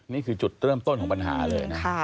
นี่คือจุดเริ่มต้นของปัญหาเลยนะ